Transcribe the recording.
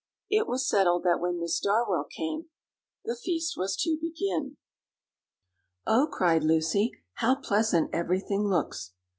It was settled that when Miss Darwell came, the feast was to begin. "Oh!" cried Lucy, "how pleasant everything looks!"